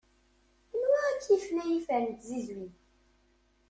Anwa i k-yifen ay ifer n tzizwit?